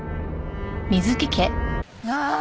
ああ！